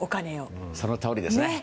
そのとおりですね。